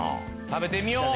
食べてみよう！